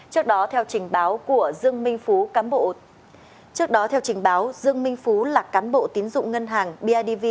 trước đó theo trình báo của dương minh phú cán bộ tín dụng ngân hàng bidv